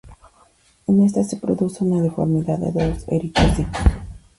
En esta se produce una deformidad de los eritrocitos.